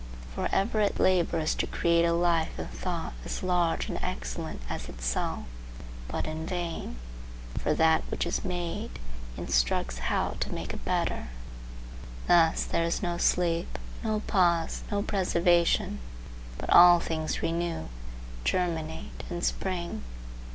For ever it labors to create a life and thought as Large and excellent as itself, but in vain, for that which is made instructs how to make a better. Thus there is no sleep, no pause, no preservation, but all things renew, germinate and spring.